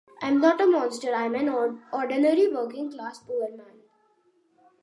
I am not a monster I am an ordinary working-class poor man.